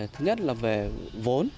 thứ nhất là về vốn